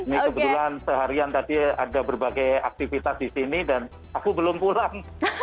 ini kebetulan seharian tadi ada berbagai aktivitas di sini dan aku belum pulang